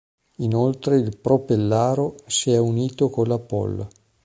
Inoltre il Pro Pellaro si è unito con la Pol.